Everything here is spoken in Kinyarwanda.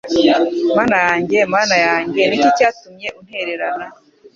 Mana yanjye Mana yanjye ni iki cyatumye untererana